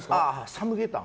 「サムゲタン」。